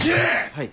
はい。